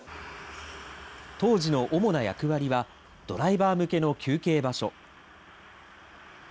当時の主な役割は、ドライバー向けの休憩場所。